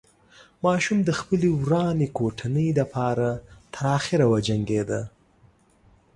ماشوم د خپلې ورانې کوټنۍ له پاره تر اخره وجنګېده.